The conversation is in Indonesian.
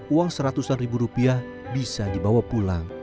uang seratusan ribu rupiah bisa dibawa pulang